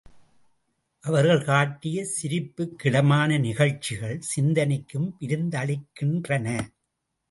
அவர்கள் காட்டிய சிரிப்புக்கிடமான நிகழ்ச்சிகள் சிந்தனைக்கும் விருந்தளிக்கின்றன்.